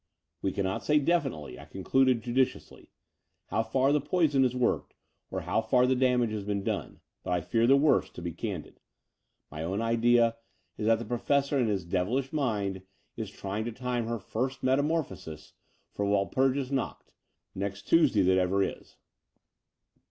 "We cannot say definitely," I concluded judi cially, "how far the poison has worked, or how far the damage has been done : but I fear the worst, to be candid. My own idea is that the Professor, in his devilish mind, is trying to time her first meta morphosis for Walpurgis Nacht, next Tuesday that ever is."